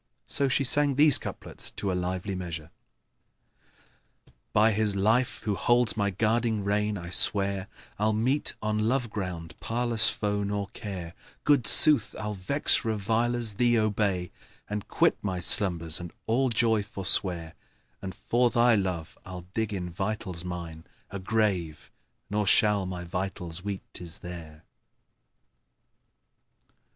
So she sang these couplets to a lively measure, "By His life who holds my guiding rein, I swear * I'll meet on love ground parlous foe nor care: Good sooth I'll vex revilers, thee obey * And quit my slumbers and all joy forswear: And for thy love I'll dig in vitals mine * A grave, nor shall my vitals weet 'tis there!"